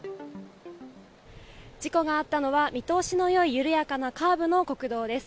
事故があったのは、見通しのよい緩やかなカーブの国道です。